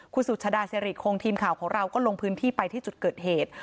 คุณสุชาดาสิริคงทีมข่าวของเราก็ลงพื้นที่ไปที่จุดเกิดเหตุ